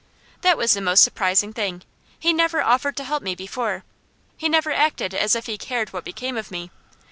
That was the most surprising thing. He never offered to help me before. He never acted as if he cared what became of me.